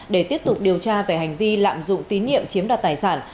để tiếp tục điều tra về hành vi lạm dụng tín nhiệm chiếm đoạt tài sản